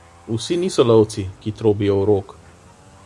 Vsi niso lovci, ki trobijo rog.